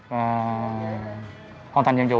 và hoàn thành nhiệm vụ